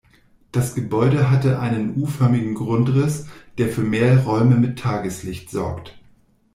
Das Gebäude hat einen U-förmigen Grundriss, der für mehr Räume mit Tageslicht sorgt.